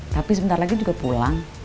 tapi sebentar lagi juga pulang